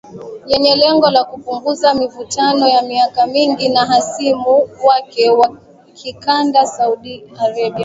Yenye lengo la kupunguza mivutano ya miaka mingi na hasimu wake wa kikanda Saudi Arabia.